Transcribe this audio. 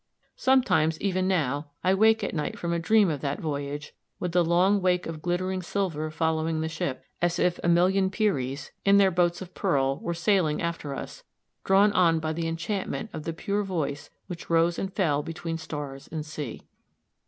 Sometimes, even now, I wake at night from a dream of that voyage, with the long wake of glittering silver following the ship, as if a million Peris, in their boats of pearl, were sailing after us, drawn on by the enchantment of the pure voice which rose and fell between stars and sea.